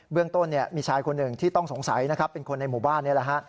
เรื่องต้นมีชายคนหนึ่งที่ต้องสงสัยนะครับเป็นคนในหมู่บ้านนี่แหละฮะ